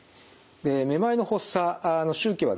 めまいの発作の周期はですね